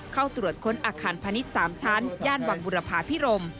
เข้าตรวจค้นอาคารพาณิชย์๓ชั้นย่านวังบุรพาพิรม